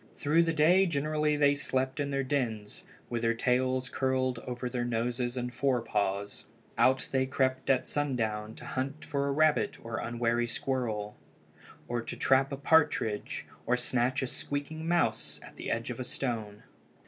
Through the day generally they slept in their dens, with their tails curled over their noses and fore paws. Out they crept at sundown to hunt for a rabbit or unwary squirrel, to trap a partridge, or snatch a squeaking mouse at the edge of a stone.